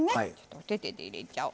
お手々で入れちゃおう。